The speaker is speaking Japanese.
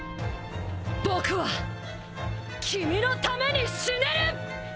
僕は君のために死ねる！